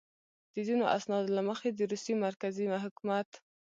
د ځینو اسنادو له مخې د روسیې مرکزي حکومت.